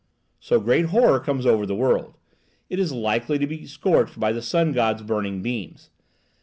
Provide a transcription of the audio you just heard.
So great horror comes over the world: it is likely to be scorched by the sun god's burning beams.